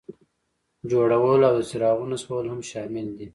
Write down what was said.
جوړول او د څراغونو نصبول هم شامل دي.